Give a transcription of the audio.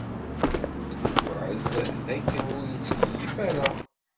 Yewɛed d akken ur yettkeyyif ara.